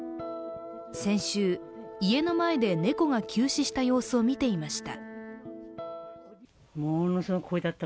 先週、家の前で猫が急死した様子を見ていました。